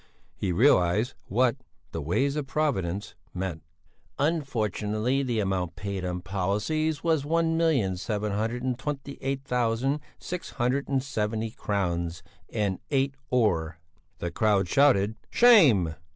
He realized what "the ways of Providence" meant. "Unfortunately the amount paid on policies was one million seven hundred and twenty eight thousand six hundred and seventy crowns and eight öre." "Shame!"